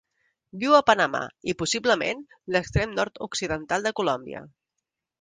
Viu a Panamà i, possiblement, l'extrem nord-occidental de Colòmbia.